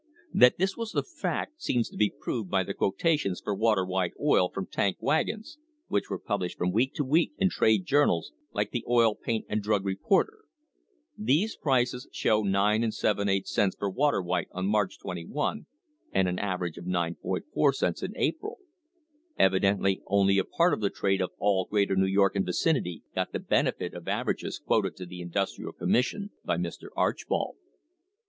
That this was the fact seems to be proved by the quotations for water white oil from tank wagons, which were published from week to week in trade journals like the Oil, Paint and Drug Reporter. These prices show 9% cents for water white on March 21, and an aver age of 9.4 cents in April. Evidently only a part of the trade of "all Greater New York and vicinity" got the benefit of averages quoted to the Industrial Commission by Mr. Archbold.